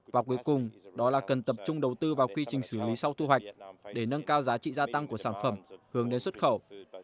và cuối cùng đó là cần tập trung đầu tư vào quy trình xử lý sau thu hoạch để nâng cao giá trị gia tăng của sản phẩm hướng đến xuất khẩu